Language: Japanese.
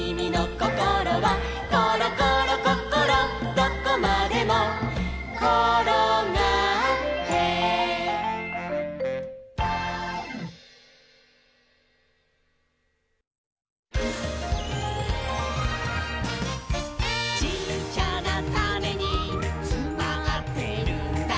どこまでもころがって」「ちっちゃなタネにつまってるんだ」